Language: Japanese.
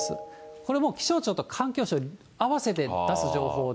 これも気象庁と環境省が合わせて出す情報で。